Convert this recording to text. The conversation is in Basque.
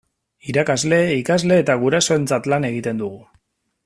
Irakasle, ikasle eta gurasoentzat lan egiten dugu.